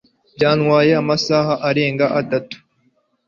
Byantwaye amasaha arenga atatu